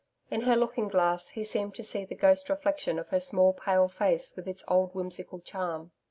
In her looking glass, he seemed to see the ghost reflection of her small pale face with its old whimsical charm.